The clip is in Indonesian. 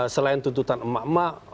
selain tuntutan emak emak